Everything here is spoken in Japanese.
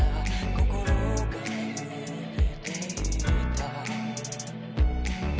心が揺れていた」